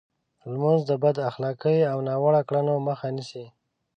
لمونځ د بد اخلاقۍ او ناوړو کړنو مخه نیسي.